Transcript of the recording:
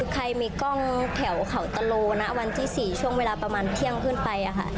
ใครมีกล้องแถวเขาตะโลนะวันที่๔ช่วงเวลาประมาณเที่ยงขึ้นไป